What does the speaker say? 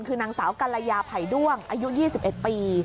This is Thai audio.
คือนางสาวกัลลายาไผ่ด้วงอายุยี่สิบเอ็ดปี